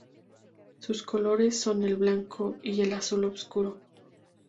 Sus colores son el blanco y el azul oscuro.